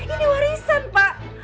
ini warisan pak